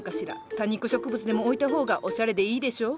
多肉植物でも置いたほうがオシャレでいいでしょ。